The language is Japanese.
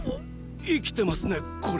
生きてますねこれ！